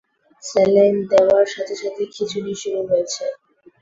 Saline দেওয়ার সাথে সাথে খিঁচুনি শুরু হয়েছে।